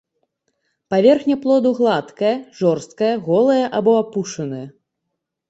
Паверхня плоду гладкая, жорсткая, голая або апушаная.